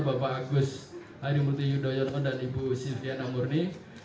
bapak agus harimurti yudhoyono dan ibu silviana murni